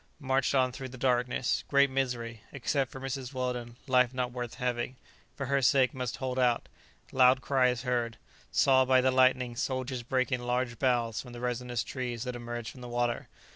Marched on through the darkness. Great misery. Except for Mrs. Weldon, life not worth having; for her sake must hold out. Loud cries heard. Saw, by the lightning, soldiers breaking large boughs from the resinous trees that emerged from the water.